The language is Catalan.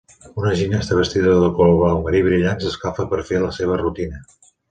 Una gimnasta vestida de color blau marí brillant s'escalfa per fer la seva rutina